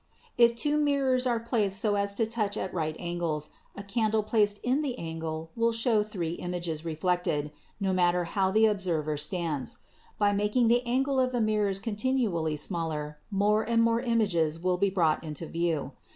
If two mirrors are placed so as to touch at right an gles, a candle placed in the angle will show three images reflected, no matter how the observer stands. By making the angle of the mirrors continually smaller, more and more images will be brought into view.